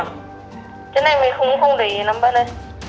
cái này mới không để lắm bạn ơi